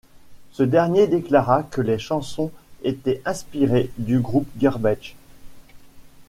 Ce dernier déclara que les chansons étaient inspirées du groupe Garbage.